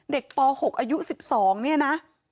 ป๖อายุ๑๒เนี่ยนะ